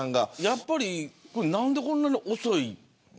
やっぱり何でこんな遅いのか。